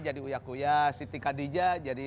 jadi uyakuya siti kadija jadi